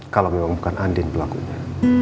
kalau memang bukan andin pelakunya